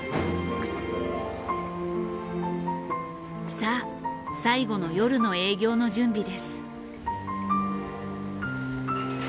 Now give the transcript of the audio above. さあ最後の夜の営業の準備です。